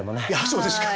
そうですか？